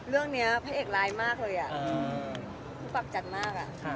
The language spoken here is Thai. เรื่องนี้แพะเอกร้ายมากเลยมือปากจัดมาก